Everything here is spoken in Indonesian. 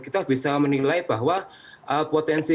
kita bisa menilai bahwa potensi